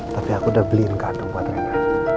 tapi aku udah beliin gantung buat reina